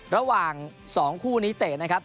ระหว่าง๒คู่นี้เตะนะครับ